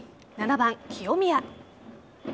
７番・清宮。